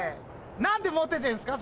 何でモテてんすか？